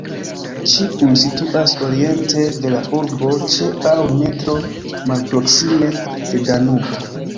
Ĉiuj situas oriente de la urbo, ĉe aŭ ne tro malproksime de Danubo.